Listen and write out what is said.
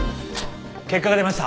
結果が出ました。